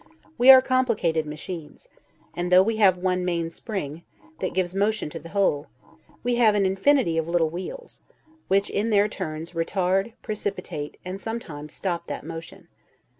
We are complicated machines: and though we have one main spring, that gives motion to the whole, we have an infinity of little wheels, which, in their turns, retard, precipitate, and sometimes stop that motion.